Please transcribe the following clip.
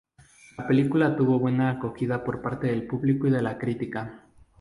La película tuvo buena acogida por parte del público y de la crítica.